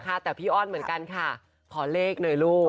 แต่พี่อ้อนเหมือนกันค่ะขอเลขหน่อยลูก